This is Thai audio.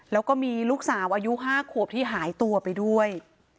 แล้วก็มีลูกสาวอายุ๕ขวบที่หายตัวไปด้วย